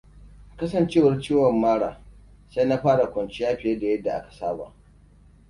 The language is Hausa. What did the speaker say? Kasancewar ciwon mara, sai na fara kwanciya fiye da yadda aka saba.